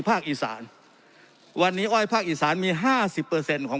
ภาคอีสานวันนี้อ้อยภาคอีสานมีห้าสิบเปอร์เซ็นต์ของ